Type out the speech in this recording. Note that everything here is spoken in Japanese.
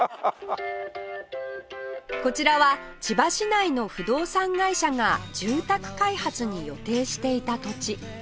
こちらは千葉市内の不動産会社が住宅開発に予定していた土地